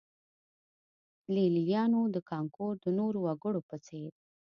لېلیانو د کانګو د نورو وګړو په څېر.